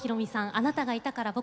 「あなたがいたから僕がいた」。